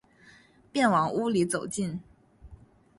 便往屋里走进